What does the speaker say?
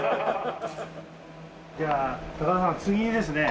では高田さん次にですね